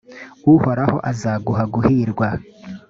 uhoraho azaguha guhirwa,